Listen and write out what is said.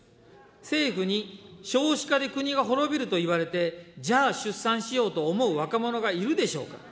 政府に少子化で国が滅びると言われて、じゃあ出産しようと思う若者がいるでしょうか。